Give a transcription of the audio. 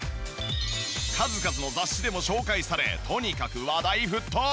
数々の雑誌でも紹介されとにかく話題沸騰！